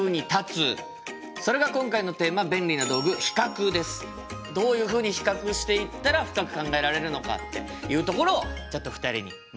それが今回のテーマどういうふうに比較していったら深く考えられるのかっていうところをちょっと２人に学んでいただきたいと思います。